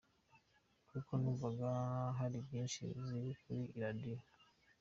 Kuko numvaga hari nyinshi ziri kuri radiyo.